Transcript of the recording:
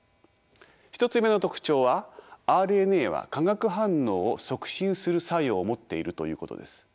１つ目の特徴はＲＮＡは化学反応を促進する作用を持っているということです。